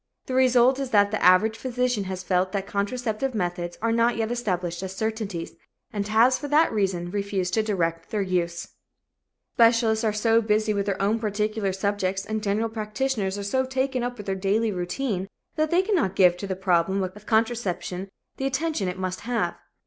The result is that the average physician has felt that contraceptive methods are not yet established as certainties and has, for that reason, refused to direct their use. Specialists are so busy with their own particular subjects and general practitioners are so taken up with their daily routine that they cannot give to the problem of contraception the attention it must have.